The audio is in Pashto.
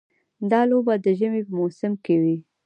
دا لوبه د ژمي په موسم کې وي.